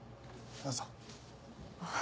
どうぞ。